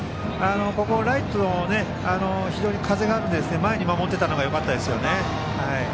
ここはライトが、風があるので前に守っていたのがよかったですね。